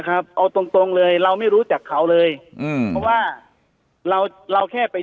ครับเอาตรงตรงเลยเราไม่รู้จักเขาเลยอืมเพราะว่าเราเราแค่ไป